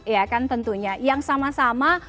ya kan tentunya yang sama sama